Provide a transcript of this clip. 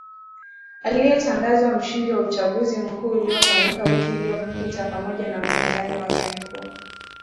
aliyetangazwa mshindi wa uchaguzi mkuu uliofanyika wiki iliyopita pamoja na mpinzani wake mkuu